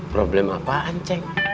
problem apaan cek